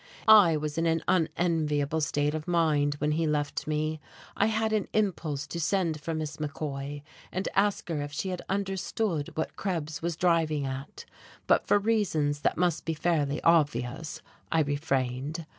I was in an unenviable state of mind when he left me. I had an impulse to send for Miss McCoy and ask her if she had understood what Krebs was "driving at," but for reasons that must be fairly obvious I refrained.